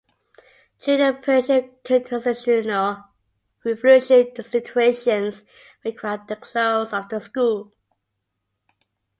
During the Persian Constitutional Revolution situations required the close of the school.